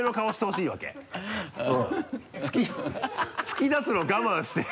吹き出すの我慢して。